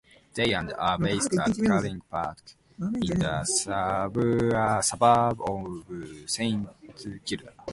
They and are based at Culling Park, in the suburb of Saint Kilda.